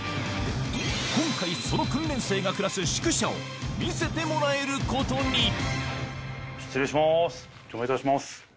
今回その訓練生が暮らす宿舎を見せてもらえることにお邪魔いたします。